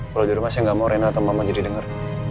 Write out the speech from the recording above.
kalau di rumah saya gak mau rena atau mama jadi denger